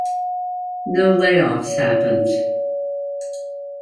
No layoffs happened.